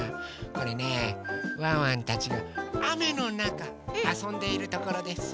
これねワンワンたちがあめのなかあそんでいるところです。